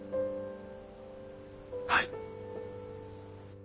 はい！